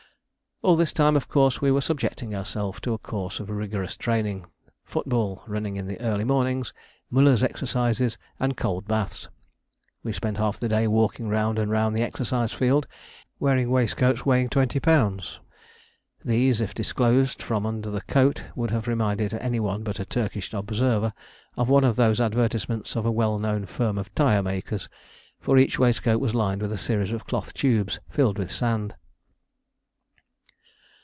All this time, of course, we were subjecting ourselves to a course of rigorous training football, running in the early mornings, Müller's exercises, and cold baths. We spent half the day walking round and round the exercise field, wearing waistcoats weighing twenty pounds. These, if disclosed from under the coat, would have reminded any one but a Turkish observer of one of those advertisements of a well known firm of tyre makers; for each waistcoat was lined with a series of cloth tubes filled with sand.